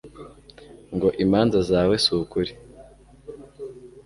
ngo imanza zawe si ukuri